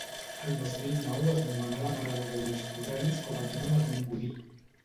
El dos mil nou es nomenà a la Mare de Déu dels Torrents copatrona de Vimbodí.